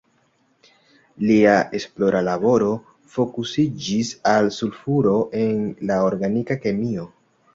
Lia esplora laboro fokusiĝis al sulfuro en la organika kemio.